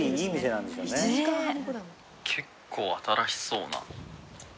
結構新しそうな。